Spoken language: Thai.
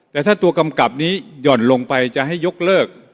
แต่ถ้าตัวกำกับนี้หย่อนลงไปจะให้ยกเลิก